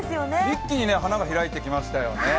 一気に花が開いてきましたよね。